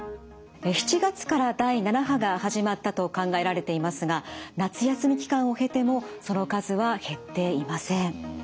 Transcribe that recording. ７月から第７波が始まったと考えられていますが夏休み期間を経てもその数は減っていません。